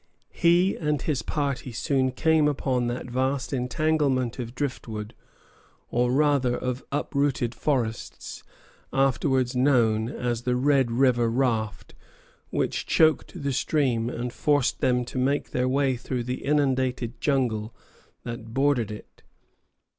He and his party soon came upon that vast entanglement of driftwood, or rather of uprooted forests, afterwards known as the Red River raft, which choked the stream and forced them to make their way through the inundated jungle that bordered it.